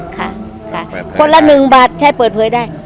ค่ะค่ะคนละ๑บาทใช้เปิดเผยได้